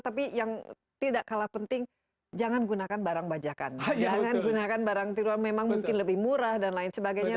tapi yang tidak kalah penting jangan gunakan barang bajakan jangan gunakan barang tiruan memang mungkin lebih murah dan lain sebagainya